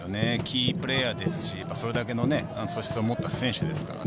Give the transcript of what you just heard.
キープレーヤーですし、それだけの素質を持った選手ですからね。